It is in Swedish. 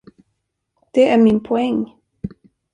Det är min poäng.